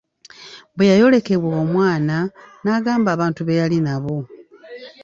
Bwe yayolekebwa omwana n'agamba abantu be yali nabo.